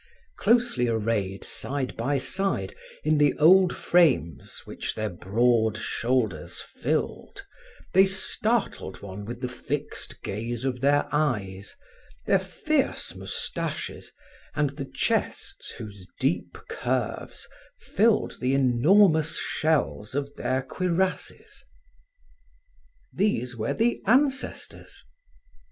Closely arrayed, side by side, in the old frames which their broad shoulders filled, they startled one with the fixed gaze of their eyes, their fierce moustaches and the chests whose deep curves filled the enormous shells of their cuirasses. These were the ancestors.